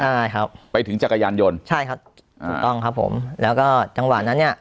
ใช่ครับไปถึงจักรยานยนต์ใช่ครับถูกต้องครับผมแล้วก็จังหวะนั้นเนี้ย